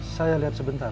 saya lihat sebentar